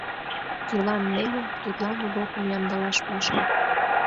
Кӧлан неле, тудлан урокым ямдылаш полша.